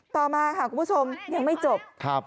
ต่อมาค่ะคุณผู้ชมยังไม่จบ